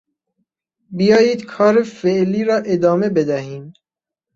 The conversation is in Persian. بیایید کار فعلی را ادامه بدهیم.